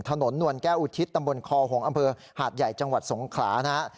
ถนนหนวนแก้วอุทิศตำบลคอหงอำเภอหาดใหญ่จังหวัดสงขรานะครับ